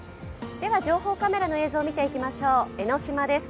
情報カメラの映像を見ていきましょう、江の島です。